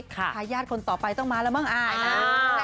ถ้ายาดคนต่อไปต้องมาละเมื่องอายนะ